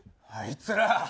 あいつら！